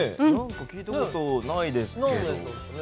聞いたことないですけどね。